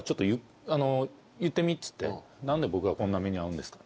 「何で僕がこんな目に遭うんですか」